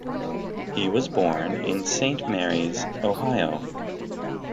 He was born in Saint Mary's, Ohio.